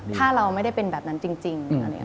ถ้าเราไม่ได้เป็นแบบนั้นจริง